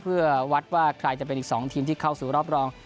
เพื่อวัดว่าใครจะเป็นอีก๒ทีมที่เข้าสู่รอบรอง